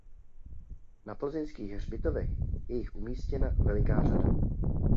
Na plzeňských hřbitovech je jich umístěna veliká řada.